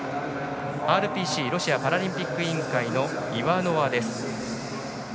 ＲＰＣ＝ロシアパラリンピック委員会のイワノワです。